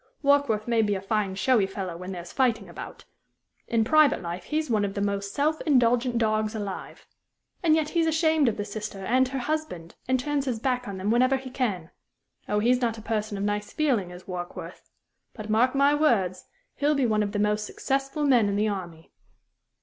Warkworth may be a fine, showy fellow when there's fighting about. In private life he's one of the most self indulgent dogs alive. And yet he's ashamed of the sister and her husband, and turns his back on them whenever he can. Oh, he's not a person of nice feeling, is Warkworth but, mark my words, he'll be one of the most successful men in the army."